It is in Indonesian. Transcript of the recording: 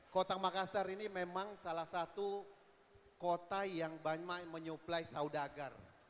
kota makassar ini memang salah satu kota yang banyak menyuplai saudagar